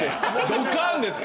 ドッカーンですか？